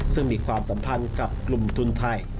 ซึ่งมีความสัมพันธ์กับกลุ่มทุนไทย